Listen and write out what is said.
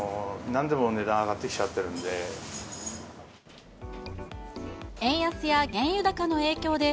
なんでも値段上がってきちゃってるので。